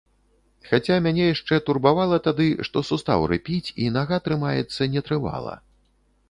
Хаця мяне яшчэ турбавала тады, што сустаў рыпіць, і нага трымаецца нетрывала.